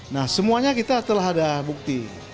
nah semuanya kita telah ada bukti